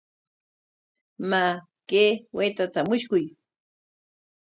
Maa, kay waytata mushkuy.